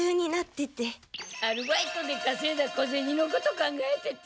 アルバイトでかせいだ小ゼニのこと考えてて。